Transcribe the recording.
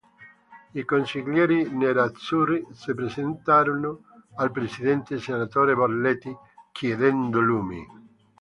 I consiglieri nerazzurri si presentarono al Presidente, Senatore Borletti, chiedendo lumi.